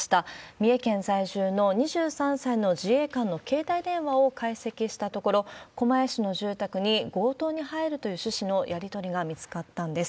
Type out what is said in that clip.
三重県在住の２３歳の自衛官の携帯電話を解析したところ、狛江市の住宅に強盗に入るという趣旨のやり取りが見つかったんです。